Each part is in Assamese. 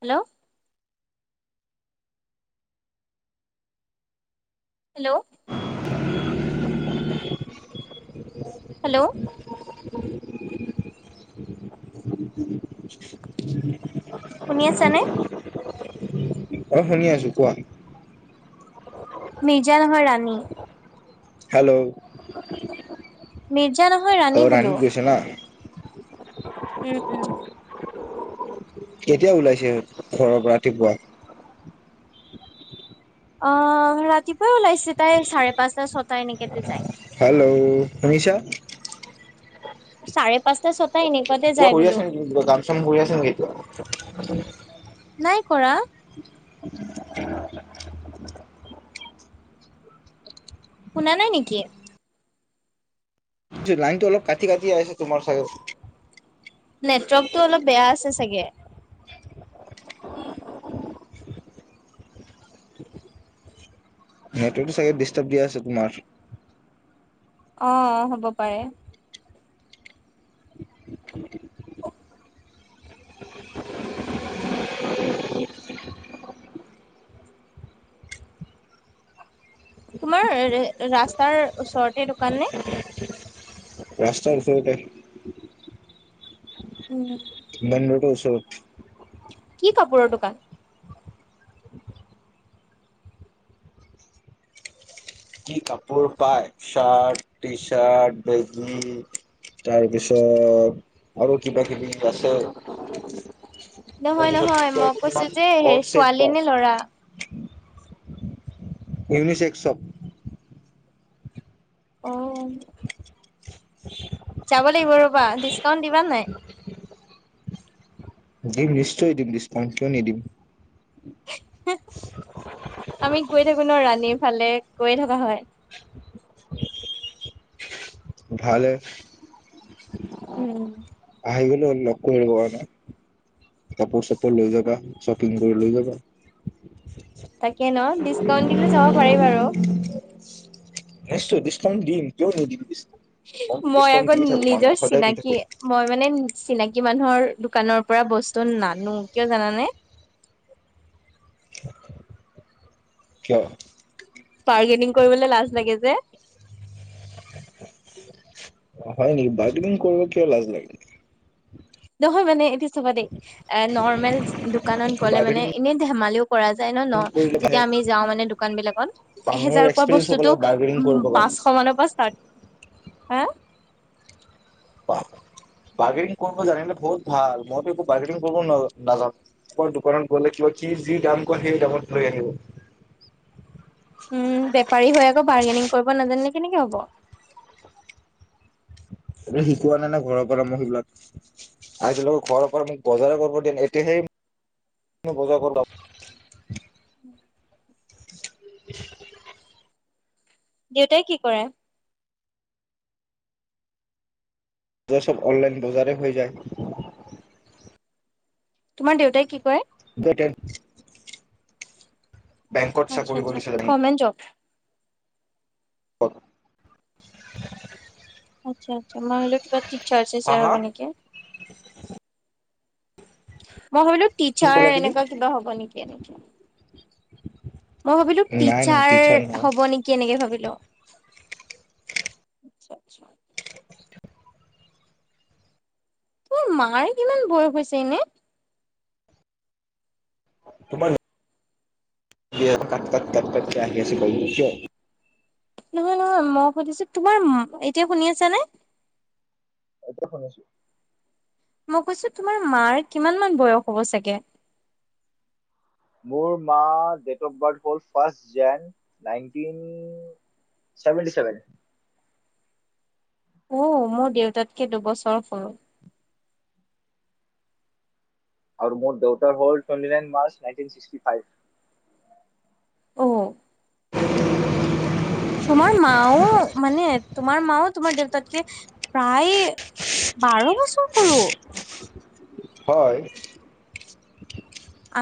হেল্ল'। হেল্ল'। [inaudible] হেল্ল'। শুনি আছানে? [inaudible] অ', শুনি আছোঁ, কোৱা। মিৰ্জা নহয় ৰাণী। হেল্ল'। মিৰ্জা নহয় অ ৰাণী বোলো। ৰাণীত গৈছে না [inaudible] উম, উম। কেতিয়া ওলাইছে ঘৰৰ পৰা ৰাতিপুৱা? অ', ৰাতিপুৱাই ওলাইছে, তাই চাৰে পাঁচটা ছটা এনেকেতে যায়। হেল্ল' শুনিছা? চাৰে পাঁচটা ছটা এনেকুৱাতে কিবা যায় কৰি বোলো। আছে নেকি? কিবা কাম চাম কৰি আছে নেকি এতিয়া? নাই কৰা। শুনা নাই নেকি? লাইনটো অলপ কাটি কাটি আহিছে তোমাৰ চাগে। নেটৱ'ৰ্কটো অলপ বেয়া আছে চাগে। নেটৱ'ৰ্কটো চাগে ডিষ্টাৰ্ব দি আছে তোমাৰ। অ' হ'ব পাৰে। তোমাৰ ৰাস্তাৰ ওচৰতে দোকান নে? ৰাস্তাৰ ওচৰতে। উম। মেইন ৰোডৰ ওচৰত। কি কাপোৰৰ দোকান? কি কাপোৰ পায়? চাৰ্ট, টি-চাৰ্ট, বেগী তাৰপিছত, আৰু কিবা কিবি তাৰপিছত নহয় নহয়, মই কৈছো তোমাক যে, সেই ছোৱালী নে লৰা? ইউনিচেক্স সব। অ'। যাব লাগিব ৰ'বা, ডিচকাউন্ট দিবা নাই? দিম নিশ্চয় দিম ডিছকাউণ্ট, কিয় নিদিম? আমি গৈ গৈ থাকো ন ৰাণীৰ ফালে, গৈয়ে থকা হয়। ভালেই উম আহিবি। নকৰি নাই [unintelligible] কাপোৰ চাপোৰ লৈ যাবা, শ্বপিং কৰি লৈ যাবা। তাকে ন, ডিচকাউন্ট দিলে যাব পাৰি বাৰু। নিশ্চয় ডিছকাউণ্ট দিম, কিয় নিদিম? ডিছকাউণ্ট মইতো মই ডিছকাউণ্ট আকৌ দি থাকো নিজৰ মানুহক সদায় দি থাকো চিনাকি, মই মানে চিনাকি কি মানুহৰ দোকানৰ পৰা বস্তু নানো, কিয় জানানে? কিয়? বাৰ্গেনিং কৰিবলৈ লাজ লাগে। যে হয় নেকি? বাৰগেনিং কৰিব কিয় লাজ লাগে? নহয় মানে এইটো চাবা দেই, এ নৰ্মেল দোকানত গ'লে বাৰ্গেনিং মানে এনেই ধেমালিও কৰা যায় ন ন, কৰিলেহে যেতিয়া আমি যাওঁ মানে দোকান বিলাকত, মানুহৰ এহেজাৰ কোৱা এক্সপিৰিয়েঞ্চ হ'ব বস্তুটো লাগে বাৰ্গেনিং কৰিব কাৰণে পাঁচশ মানৰ পৰা ষ্টাৰ্ট। হা? বাৰ্গেনিং কৰিব জানিলে বহুত ভাল। মইতো একো বাৰ্গেনিং কৰিব নাজানো। মই দোকানত গলে যি দাম কয় সেই দামত লৈ আহোঁ। উম, বেপাৰী হৈ আকৌ বাৰ্গেনিং কৰিব নাজানিলে কেনেকে হ'ব? এইবিলাক শিকোৱা নাই নাই ঘৰৰ পৰা মই সেইবিলাক, আজালৈকে ঘৰৰ পৰা মোক বজাৰ কৰিব দিয়া‌ নাই। এতিয়াহে বজাৰ দেউতাই কি কৰে? বজাৰ সব অনলাইন বজাৰেই হৈ যায়। তোমাৰ দেউতাই কি কৰে? [inaudible] বেংকত আচ্ছা চাকৰি আচ্ছা, কৰিছে গৰমেণ্ট জব? অ'। আচ্ছা আচ্ছ [unintelligible] কিবা টিছাৰ হা ছিছাৰ হা হ'ব নেকি? মই ভাবিলো কি টিচাৰ ক'লা তুমি এনেকুৱা কিবা হ'ব নেকি এনেকে। মই ভাবিলো নাই নাই টিচাৰ নহয় হ'ব নেকি, এনেকে ভাবিলো। আচ্ছা আচ্ছা। তোৰ মাৰ কিমান বয়স হৈছে এনে? [inaudible] দে কপ তক তপ তক ক আহেছে ক কিয় নহয় নহয় মই সুধিছো, তোমাৰ, এতিয়া শুনি আছ নে? এতিয়া শুনিছো। মই কৈছো তোমাৰ মাৰ কিমান মান বয়স হ'ব চাগে মোৰ মা ডেট অফ বাৰ্থ হ'ল ফাৰ জন নাইনটিনভেটিভেন উ মোৰ দেউতাতকে দুবছৰ সৰু আৰু মোৰ দেউতাৰ হল নাইন ফ অ [unintelligible] তোমাৰ মাও মানে তোমাৰ মাও তোমাৰ দেউতাতকে, প্ৰায় বাৰ বছৰ সৰু। হয়।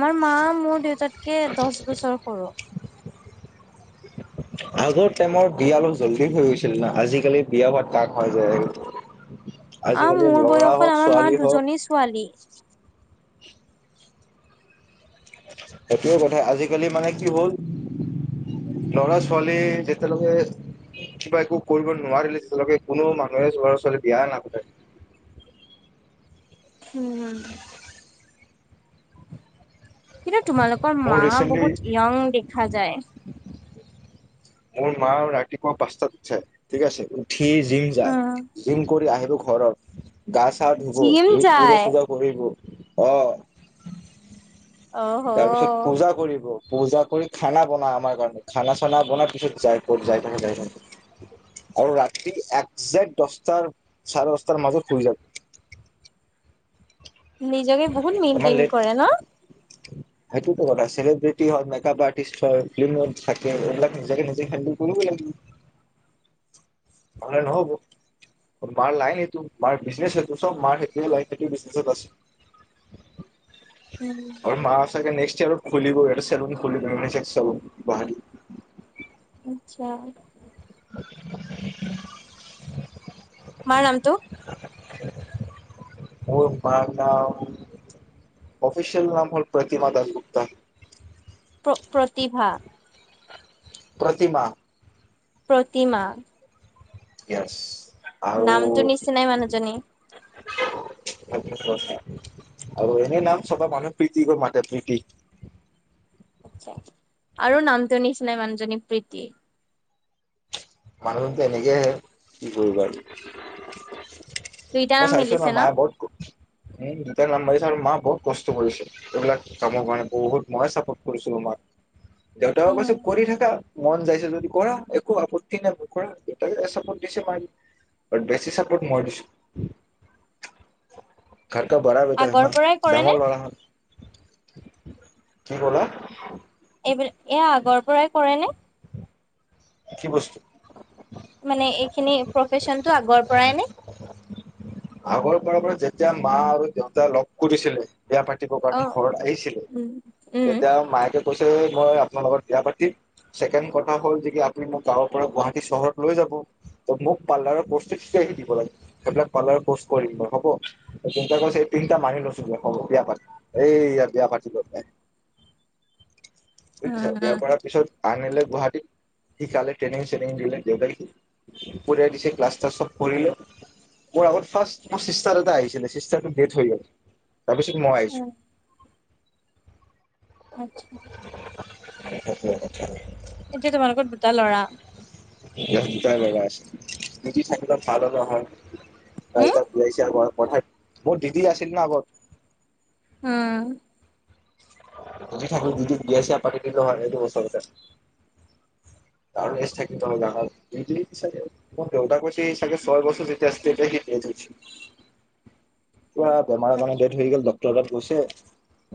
আমাৰ মা মোৰ দেউতাক কে দহ বছৰ সৰু। আগৰ টাইমৰ বিয়া অলপ জল্দি হৈ গৈছিল না, আজিকালি বিয়া [unintelligible] হৈ যায়। অহ, আজিকালি মোৰ ল'ৰা বয়সত হওক আমাৰ ছোৱালী মাৰ হওক দুজনী ছোৱালী। সেইটোৱে কথা আজিকালি মানে কি হ'ল ল'ৰা-ছোৱালী যেতিয়ালৈকে কিবা একো কৰিব নোৱাৰিলে তেতিয়ালৈকে কোনো মানুহে ল'ৰা-ছোৱালী বিয়া নাপাতে। উম, উম। কিন্তু তোমালোকৰ মোৰ মা ৰিচেন্টলি বহুত য়ং দেখা যায়। মোৰ মা ৰাতিপুৱা পাঁচতাত চাই, ঠিক আছে। ঠি জিম যায়, উম। জিম কৰি আহিব ঘৰত গা চা ধুব, জিম তুমি পূজা যায়। চূজা কৰিব। অ'। অহ তাৰপিছত পূজা কৰিব। পূজা কৰি খানা বনাই আমাৰ কাৰণে, খানা চানা বনাই পিছত যায়, ক'ত যায় [unintelligible] আৰু ৰাতি একজেক্ট দছটাৰ, চাৰে দছটাৰ মাজত হৈ যাম। নিজকে বহুত মেইনটেইন লেট কৰে ন'। সেইটোতো কথা চেলিব্ৰিটি হয়, মেকআপ আৰ্টিষ্ট হয়, ফিল্ম থাকে এইবিলাক নিজকে নিজে হেণ্ডেল কৰিবই লাগিব। নহ'লে নহ'ব, মাৰ লাইন এইটো, মাৰ বিজনেচ সটো চব মাৰ সেইটোহে লয়, সেইটোৱে বিজনেচত আছে। উম আমাৰ মা সঁচাকে নেক্স [unintelligible] খুলিবই এটা চেলুন খুলিব, ইউনিচেক্স চেলুন গুৱাহাটীত। আচ্ছা। [inaudible] তোমাৰ নামতো? মোৰ মাৰ নাম অফিচিয়েল নাম হ'ল প্ৰতিমা দাসগুপ্তা। প্ৰ প্ৰতিভা? প্ৰতিমা। প্ৰতিমা। ই [unintelligible] নামটো নিচিনাই মানুহজনী। আৰু এনে নাম চবে মানুহ প্ৰীতি কৈ মাতে প্ৰীতি। আৰু নামটো নিচিনাই মানুহজনী প্ৰীতি। মানুহটো এনেকে আহে, কি কৰিব আৰু। দুইটা মই নাম চাইছো ন, মিলিছে মায়ে বহুত উমা নাম দি আৰু মা বহুত কষ্ট কৰিছে, এইবিলাক কামৰ কাৰণে বহুত মই চাপোৰ্ট কৰিছিলো মাক। দেউতায়ে উম। কৈছে কৰি থাকা। মন যাইছে যদি কৰা একো আপত টি নাই কৰা দেউতায়ে চাপৰ্ট দিছে ম বেছি চাপোৰ্ট মই দিছো। ঘৰকা বৰা বেটা আগৰ হেনা পৰাই কৰে নে ডাঙৰ ল'ৰা। কি ক'লা এইবিলাক এয়া আগৰ পৰাই কৰে নে? কি বস্তু মানে এইখিনি প্ৰফেচনটো আগৰ পৰাই নে? আগৰ পৰা পৰা যেতিয়া মা আৰু দেউতা লগ কৰিছিলে বিয়া পাতিব অ কাৰণে ঘৰত আহিছিলে উম, উম, তেতিয়া মাকে কৈছে মই আপোনাৰ লগত বিয়া পাতিম ছেকেণ্ড কথা হ'ল যে ত মোক গাঁৱৰ পৰা গুৱাহাটী চহৰত লৈ যাব ত মোক পাৰ্লাৰৰ কৰ্চটো শিকাই আহি দিব লাগে সেইবিলাক পাৰ্লাৰৰ কৰ্চ কৰিম বাৰু হ'ব ত তে কৈছ এই পিন্টা মানি লৈছো ব হ'ব বিয়া পাতিম এইয়া বিয়া পাতিব এ উম, বিয়া উম। পাৰা পিছত [unintelligible] আনিলে গুৱাহাটীত সিকালে ট্ৰেইনিং চেইনিং দিলে দেওবাৰী কঢিয়াই দিছে ক্লাছ চব কৰিলে মোৰ আগত ফাৰ্ষ মোৰ চিষ্টাৰ এটা আহিছিলে চিষ্টাৰটো ডেথ হৈ গল তাৰপিছত মই আহিছো উম, আচ্ছা। ধীয়া কথা [unintelligible] এতিয়া তোমালোকৰ দুটা ল'ৰা। তিয়া দুটাই লৰা আছে [unintelligible] নহয় [unintelligible] উম, কাইটা প [unintelligible] ঠ মোৰ দিদি আছিল ন আগত উম [inaudible] যি থাকে যদি বিয়া ছিয়াপাতি দিল হয় এইটো বছৰতে [inaudible] [unintelligible] ছয় বছৰ যেতি আ এটাই সি প য [unintelligible] বেমাৰৰ কাৰণে আচ্ছা ডেত হৈ গল ড্ৰ গৈচে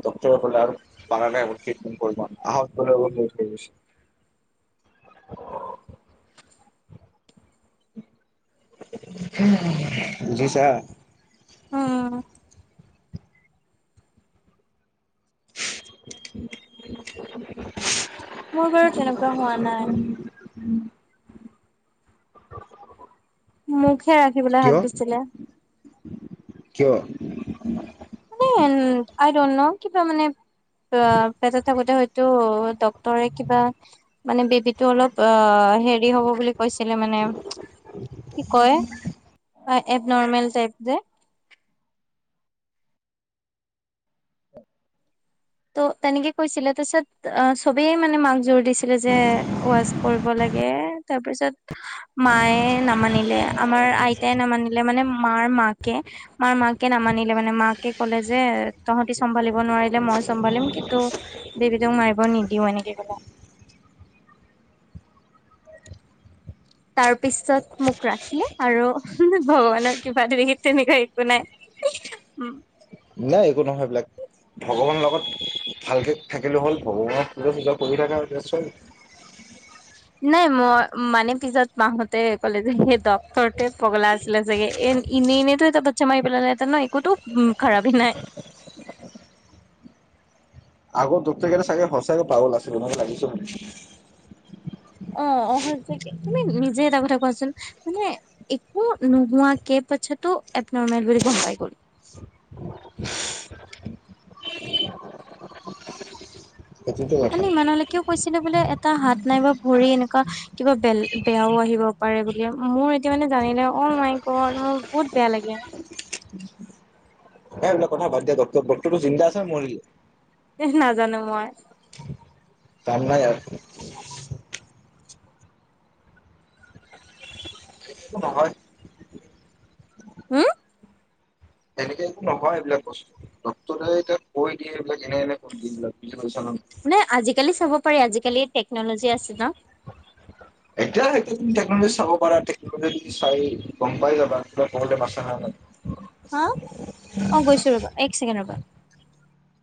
ডাক্তৰে কলে আৰু পাৰা নাই মই ট্ৰিটমেণ্ট কৰিব আহক [unintelligible] [unintelligible] বুজিছা [inaudible] উম [inaudible] [unintelligible] মোৰ বাৰু তেনেকুৱা হোৱা নাই [inaudible] উম [inaudible] মোক হে ৰাখিবলৈ হাক দিছিলে কিয় [inaudible] মানে আই ড'ন্ত ন কিবা মানে ত পেটত থাকোতে টো ডক্তৰে কিবা মানে বেবি টো অলপ অ হেৰি হব বুলি কৈছিলে মানে কি কয়, এবনৰ্মেল টাইপ যে ত তেনেকে কৈছিলে তাছত চবেই মানে মাক জোৰ দিছিলে যে ওৱাচ কৰিব লাগে তাৰপিছত মায়ে নামানিলে আমাৰ আইতাই নামানিলে মানে মাৰ মাকে মাৰ মাকে নামানিলে মানে মাকে কলে যে তোহতে চম্ভালিব নোৱাৰি চম্ভালিম কিন্তু বেবীটোক মাৰিব নিদিও এনেক কলে তাৰ পিছত মোক ৰাখিলে আৰু ভগৱানৰ কৃপাত তেনেকুৱা সি তেনেকুৱা একো নাই। নাই একো নহয় এইবিলাক, ভগৱানৰ লগত ভালকে থাকিলে হ'ল ভগৱানক পূজা চূজা কৰি থাকা চুন। নাই মই মানে পিছত মাহঁতে কলে যে সেই ড্টৰতে পগলা আছিলে চাগে এ এনেই এনেইতো এটা বাচ্ছা মাৰি পেলালে নাই ন একোতো উ খাৰাপি নাই। আগৰ ড্টৰতে কেইটা সঁচায়ে পাগল আছিল লাগিছে। অ' অ' হৈছে কি তুমি নিজে এটা কথা কোৱাচোন। মানে একো নোহোৱাকে পাছটো এবন'ৰ্মেল বুলি গম পাই গ'ল। সেইটোতো মান কথা ইমানলৈকেও কৈছিলে বোলে এ টা হাত নাইবা ভৰি এনেকুৱা কিবা বেল বেয়াও আহিব পাৰে বুলি, মোৰ এতিয়া মানে জানিলে অ', মাই গ'ড মোৰ বহুত বেয়া লাগে। এই এইবিলাক কথা দিয়া ডট ডক্টৰটো জিন্দা আছে নে মৰিলে? এহ নাজানো মই। কাম নাই আৰু নহয়। হম। সেনেকে একো নহয় এইবিলাক বস্তু ডক্টৰে এতিয়া কৈ দিয়ে এইবিলাক এনে এনে বস্তু এইলাক মানে আজিকালি চাব পাৰি, আজিকালি টেক্ন'ল'জি আছে ন'। এতিয়া সেই তুমি টেক্'নল'জি চাব পাৰা টেক্ন'লি চাই গম পাই যাবা কিবা ক'বলো। হ' অ', গৈছো ৰ'বা, এক ছেকেণ্ডৰ ৰ'বা।